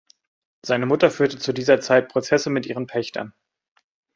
Seine Mutter führte zu dieser Zeit Prozesse mit ihren Pächtern.